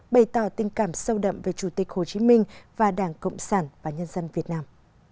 bày tỏ tình cảm sâu đậm về chủ tịch hồ chí minh và đảng cộng sản và nhân dân việt nam